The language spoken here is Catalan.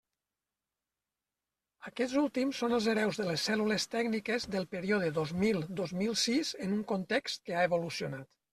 Aquests últims són els hereus de les cèl·lules tècniques del període dos mil dos mil sis en un context que ha evolucionat.